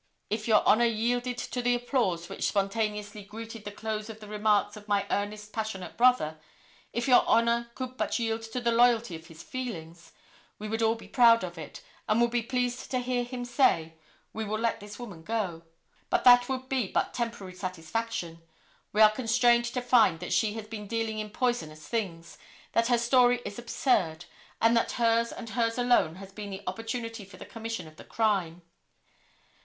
If Your Honor yielded to the applause which spontaneously greeted the close of the remarks of my earnest, passionate brother, if Your Honor could but yield to the loyalty of his feelings, we would all be proud of it, and would be pleased to hear him say: 'We will let this woman go.' But that would be but temporary satisfaction. We are constrained to find that she has been dealing in poisonous things; that her story is absurd, and that hers and hers alone has been the opportunity for the commission of the crime.